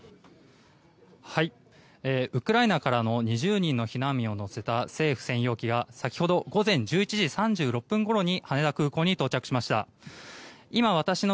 ウクライナからの２０人の避難民を乗せた政府専用機が先ほど午前１１時３６分ごろに羽田空港に到着しました。